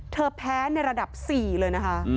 แพ้ในระดับ๔เลยนะคะ